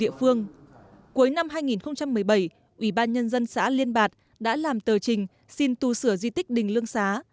cuối năm hai nghìn một mươi bảy ubnd xã liên bạc đã làm tờ trình xin tu sửa di tích đình lương xá